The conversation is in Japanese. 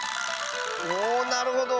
おおなるほど。